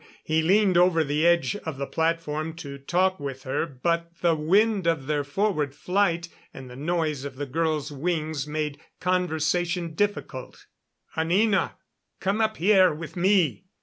He leaned over the edge of the platform to talk with her, but the wind of their forward flight and the noise of the girls' wings made conversation difficult. "Anina! Come up here with me.